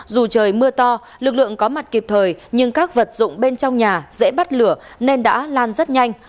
dù trời mưa to lực lượng có mặt kịp thời nhưng các vật dụng bên trong nhà dễ bắt lửa nên đã lan rất nhanh